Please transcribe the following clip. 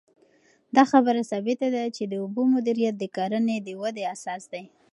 دا خبره ثابته ده چې د اوبو مدیریت د کرنې د ودې اساس دی.